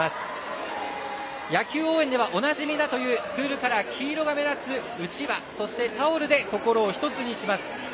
野球応援ではおなじみだというスクールカラー黄色が目立つうちわそしてタオルで心を一つにします。